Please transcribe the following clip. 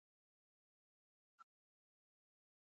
لمسی د نیا د زړه ټکور دی.